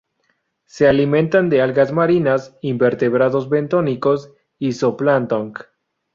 Se alimentan de algas marinas, invertebrados bentónicos, y zooplancton.